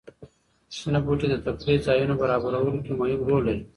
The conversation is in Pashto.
شنه بوټي د تفریح ځایونو برابرولو کې مهم رول لري.